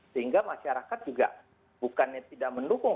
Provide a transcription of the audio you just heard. sehingga masyarakat juga bukannya tidak mendukung